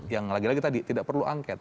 yang lagi lagi tadi tidak perlu angket